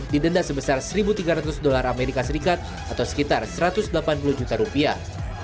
didenda sebesar satu tiga ratus dolar amerika serikat atau sekitar satu ratus delapan puluh juta rupiah